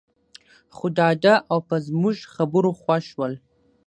خو ډاډه او په زموږ خبرو خوښ شول.